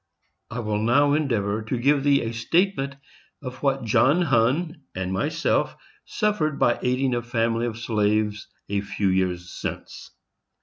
I will now endeavor to give thee a statement of what John Hunn and myself suffered by aiding a family of slaves, a few years since.